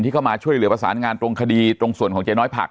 เข้ามาช่วยเหลือประสานงานตรงคดีตรงส่วนของเจ๊น้อยผัก